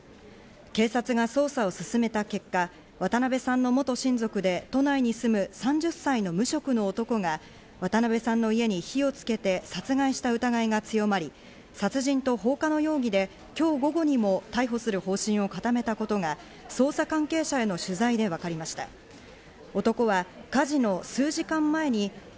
警察が捜査を進めた結果、渡辺さんの元親族で都内に住む３０歳の無職の男が渡辺さんの家に火をつけて殺害した疑いが強まり、殺人と放火の容疑で今日午後にも逮捕する方針を固めたことが捜査関係者への取材でわかりました。